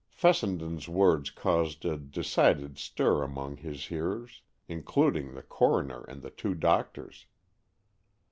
Fessenden's words caused a decided stir among his hearers, including the coroner and the two doctors.